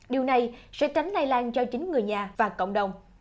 điều này sẽ tránh lây lan cho chính người nhà và cộng đồng